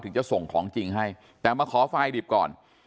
จะส่งของจริงให้แต่มาขอไฟล์ดิบก่อน